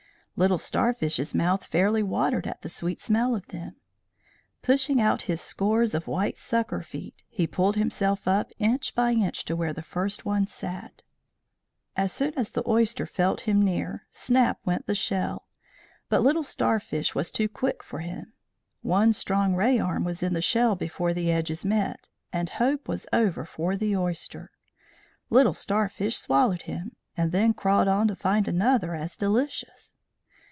Little Starfish's mouth fairly watered at the sweet smell of them. Pushing out his scores of white sucker feet, he pulled himself up inch by inch to where the first one sat. As soon as the oyster felt him near, snap went the shell. But Little Starfish was too quick for him. One strong ray arm was in the shell before the edges met, and hope was over for the oyster. Little Starfish swallowed him, and then crawled on to find another as delicious.